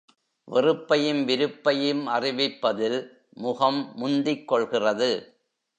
வெறுப்பையும், விருப்பையும் அறிவிப்பதில் முகம் முந்திக்கொள்கிறது.